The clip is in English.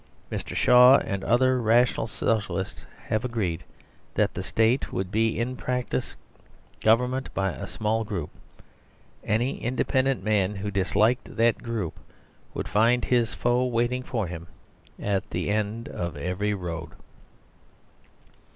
Mr. Shaw and other rational Socialists have agreed that the State would be in practice government by a small group. Any independent man who disliked that group would find his foe waiting for him at the end of every road.